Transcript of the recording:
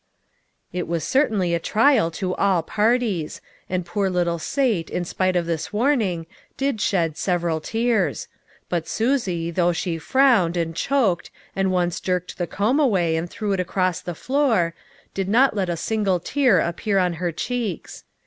It was certainly a trial to all parties ; and poor little Sate in spite of this warning, did shed sev eral tears ; but Susie, though she frowned, and choked, and once jerked the comb away and threw it across the floor, did not let a single tear appear on her cheeks.